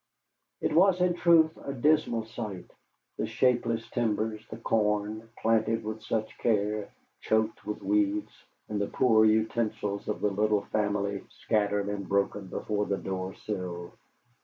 It was in truth a dismal sight, the shapeless timbers, the corn, planted with such care, choked with weeds, and the poor utensils of the little family scattered and broken before the door sill.